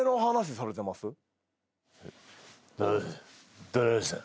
誰誰でした？